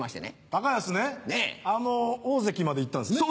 高安ね大関まで行ったんですね。